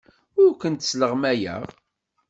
Ur kent-sleɣmayeɣ.